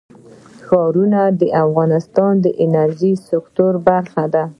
ښارونه د افغانستان د انرژۍ سکتور برخه ده.